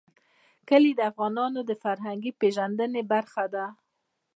کلي د افغانانو د فرهنګي پیژندنې برخه ده.